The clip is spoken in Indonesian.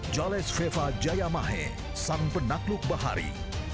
jales veva jayamahe sang penakluk bahari